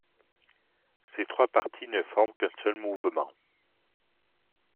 Ces trois parties ne forment qu'un seul mouvement.